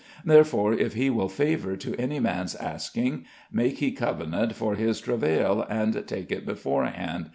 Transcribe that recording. Therefore if he will favour to any man's asking, make he covenant for his travail and take it beforehand....